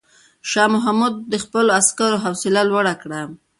شاه محمود د خپلو عسکرو حوصله لوړه کړه.